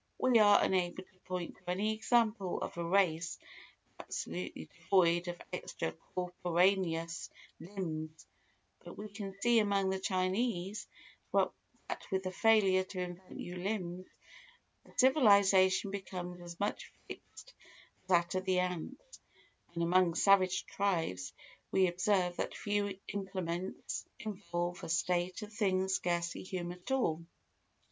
We are unable to point to any example of a race absolutely devoid of extra corporaneous limbs, but we can see among the Chinese that with the failure to invent new limbs, a civilisation becomes as much fixed as that of the ants; and among savage tribes we observe that few implements involve a state of things scarcely human at all.